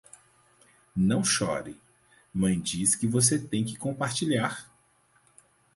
Não chore, mãe diz que você tem que compartilhar.